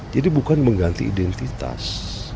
jadi bukan mengganti identitas